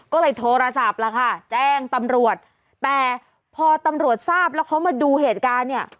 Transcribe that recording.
ก็เลยโทรศัพท์ล่ะค่ะแจ้งตำรวจแต่พอตำรวจทราบแล้วเขามาดูเหตุการณ์เนี่ย